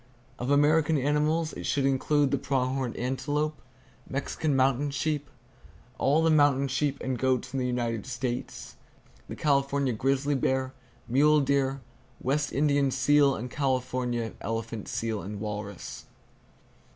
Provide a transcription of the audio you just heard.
Of American animals it should include the prong horned antelope, Mexican mountain sheep, all the mountain sheep and goats in the United States, the California grizzly bear, mule deer, West Indian seal and California elephant seal and walrus.